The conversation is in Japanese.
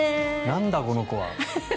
なんだこの子は。